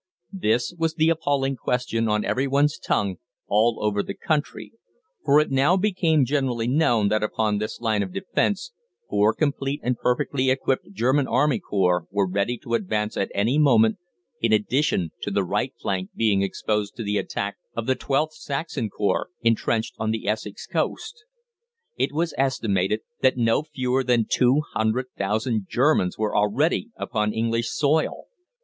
This was the appalling question on every one's tongue all over the country, for it now became generally known that upon this line of defence four complete and perfectly equipped German army corps were ready to advance at any moment, in addition to the right flank being exposed to the attack of the XIIth Saxon Corps, entrenched on the Essex coast. It was estimated that no fewer than two hundred thousand Germans were already upon English soil!